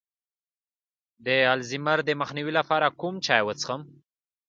د الزایمر د مخنیوي لپاره کوم چای وڅښم؟